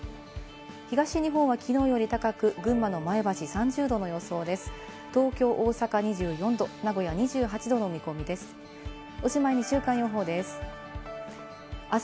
東日本はきのうより高く、群馬の前橋３０度の予想です。